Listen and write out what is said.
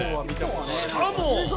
しかも。